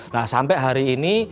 nah sampai hari ini